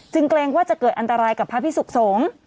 เกรงว่าจะเกิดอันตรายกับพระพิสุขสงฆ์